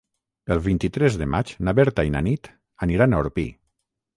El vint-i-tres de maig na Berta i na Nit aniran a Orpí.